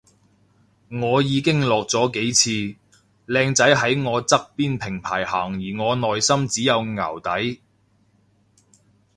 我已經落咗幾次，靚仔喺我側邊平排行而我內心只有淆底